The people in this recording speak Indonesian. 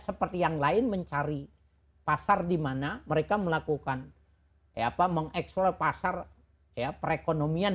seperti yang lain mencari pasar dimana mereka melakukan ya apa mengeksplor pasar ya perekonomian